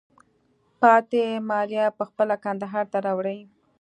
پاتې مالیه په خپله کندهار ته راوړئ.